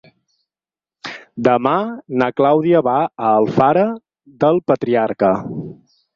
Demà na Clàudia va a Alfara del Patriarca.